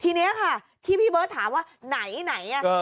ทีนี้ค่ะที่พี่เบิร์ตถามว่าไหน